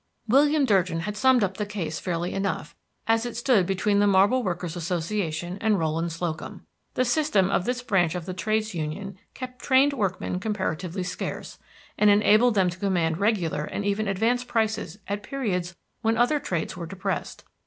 William Durgin had summed up the case fairly enough as it stood between the Marble Workers' Association and Rowland Slocum. The system of this branch of the trades union kept trained workmen comparatively scarce, and enabled them to command regular and even advanced prices at periods when other trades were depressed.